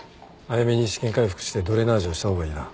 早めに試験開腹してドレナージをした方がいいな。